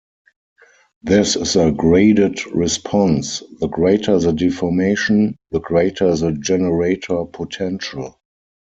This is a graded response: the greater the deformation, the greater the generator potential.